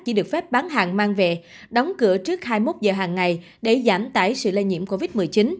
chỉ được phép bán hàng mang về đóng cửa trước hai mươi một giờ hàng ngày để giảm tải sự lây nhiễm covid một mươi chín